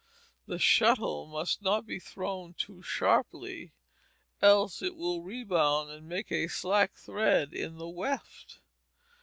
The shuttle must not be thrown too sharply else it will rebound and make a slack thread in the weft.